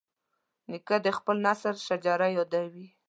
نیکه د خپل نسل شجره یادوي.